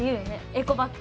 エコバッグ。